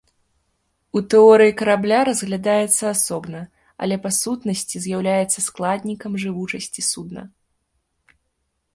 У тэорыі карабля разглядаецца асобна, але па сутнасці з'яўляецца складнікам жывучасці судна.